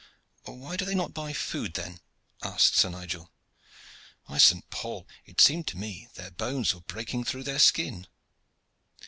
"Why do they not buy food then?" asked Sir Nigel. "By St. Paul! it seemed to me their bones were breaking through their skin."